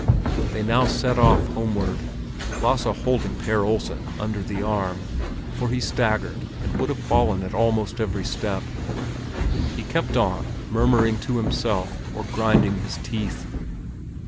They now set off homeward, Lasse holding Per Olsen under the arm, for he staggered and would have fallen at almost every step. He kept on murmuring to himself or grinding his teeth.